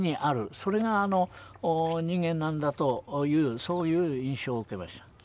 それが人間なんだというそういう印象を受けました。